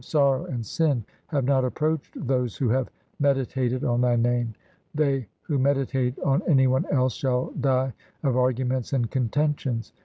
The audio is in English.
Sorrow and sin have not approached those Who have meditated on Thy name. They who meditate on any one else Shall die of arguments and contentions.